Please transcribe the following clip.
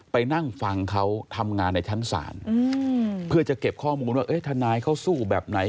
ไปนั่งฟังเขาทำงานในชั้นศาลเพื่อจะเก็บข้อมูลว่าเอ๊ะทนายเขาสู้แบบไหน